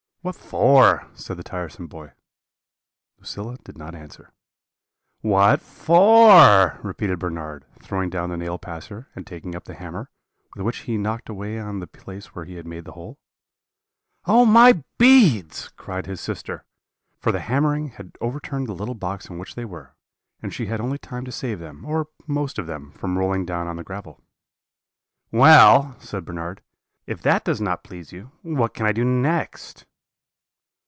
"'What for?' said the tiresome boy. "Lucilla did not answer. "'What for?' repeated Bernard, throwing down the nail passer, and taking up the hammer, with which he knocked away on the place where he had made the hole. "'Oh, my beads!' cried his sister; for the hammering had overturned the little box in which they were, and she had only time to save them, or most of them, from rolling down on the gravel. "'Well,' said Bernard, 'if that does not please you, what can I do next?'